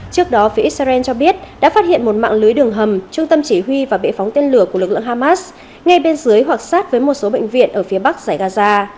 trước đó phía israel cho biết đã phát hiện một mạng lưới đường hầm trung tâm chỉ huy và bệ phóng tên lửa của lực lượng hamas ngay bên dưới hoặc sát với một số bệnh viện ở phía bắc giải gaza